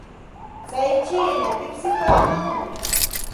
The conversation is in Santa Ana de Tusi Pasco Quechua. Tsay chiina tipsipaamanmi.